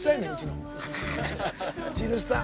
地主さん。